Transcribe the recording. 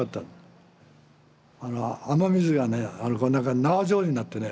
雨水がねなんか縄状になってね